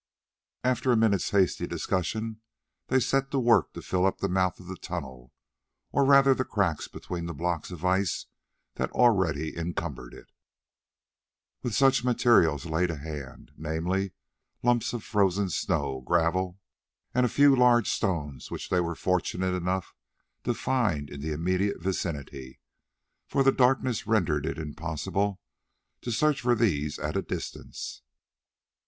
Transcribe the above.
After a minute's hasty discussion they set to work to fill up the mouth of the tunnel, or rather the cracks between the blocks of ice that already encumbered it, with such material as lay to hand, namely lumps of frozen snow, gravel, and a few large stones which they were fortunate enough to find in the immediate vicinity, for the darkness rendered it impossible to search for these at a distance.